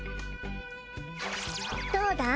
どうだ？